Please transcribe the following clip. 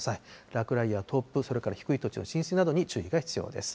落雷や突風、それから低い土地の浸水などの注意が必要です。